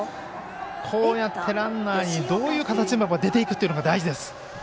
こうやって、ランナーにどういう形でも出て行くのが大事です。